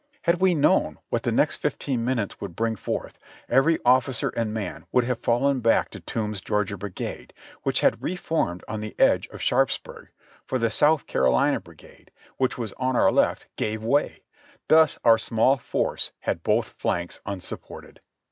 Had we known what the next fifteen minutes would bring forth, every officer and man would have fallen back to Toombs's Georgia Brigade, which had reformed on the edge of Sharpsburg; for the South Carolina Brigade, which was on our left, gave way; thus our small force had both flanks unsupported.